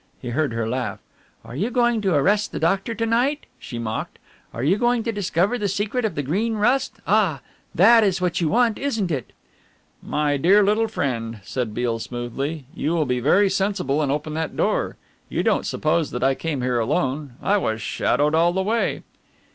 He heard her laugh. "Are you going to arrest the doctor to night?" she mocked. "Are you going to discover the secret of the Green Rust ah! That is what you want, isn't it?" "My dear little friend," said Beale smoothly, "you will be very sensible and open that door. You don't suppose that I came here alone. I was shadowed all the way."